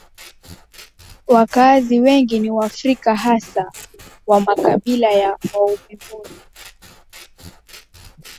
Wakazi wengi ni Waafrika hasa wa makabila ya Waovimbundu